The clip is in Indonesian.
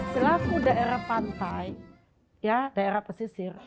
selaku daerah pantai daerah pesisir